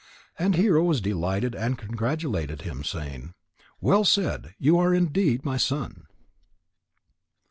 And Hero was delighted and congratulated him, saying: "Well said! You are indeed my son."